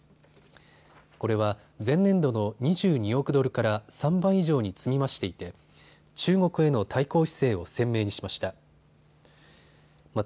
これは前年度の２２億ドルから３倍以上に積み増していて中国への対抗姿勢を鮮明にしました。